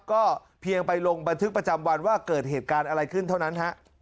ก็เพียงไปลงบันทึกประจำวันว่าเกิดเหตุการณ์อะไรขึ้นเท่านั้นฮะ